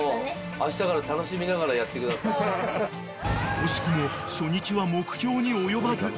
［惜しくも初日は目標に及ばず］